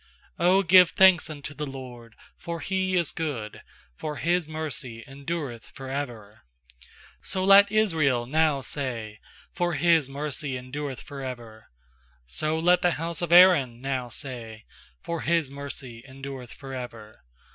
1 1 ft '0 give thanks unto the LORD. 1X0 for He is good, For His mercy endureth for ever/ 2So let Israel now say, For His mercy endureth for ever. 8So let the bouse of Aaron now say, For His mercy endureth for ever.